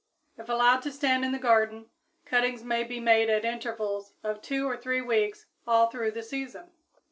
If allowed to stand in the garden, cuttings may be made at intervals of two or three weeks all through the season.